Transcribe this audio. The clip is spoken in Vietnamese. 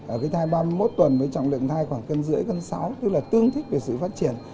ở cái thai ba mươi một tuần với trọng lượng thai khoảng cân rưỡi cân sáu tức là tương thích về sự phát triển